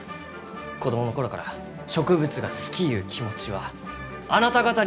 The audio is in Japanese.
子供の頃から植物が好きゆう気持ちはあなた方にも引けは取らん！